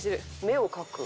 目をかく。